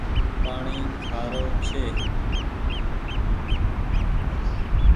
پآڻيٚ کآرو ڇي۔